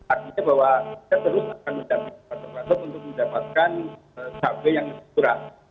artinya bahwa kita terus akan mendapatkan harga yang lebih murah